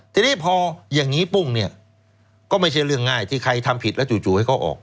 ทีนี้พออย่างนี้ปุ้งเนี่ยก็ไม่ใช่เรื่องง่ายที่ใครทำผิดแล้วจู่ให้เขาออก